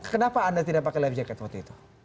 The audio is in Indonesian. kenapa anda tidak pakai life jacket waktu itu